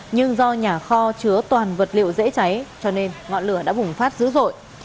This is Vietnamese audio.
nhưng do nhà kho chứa toàn vật liệu dễ cháy cho nên ngọn lửa đã bùng phát dữ dội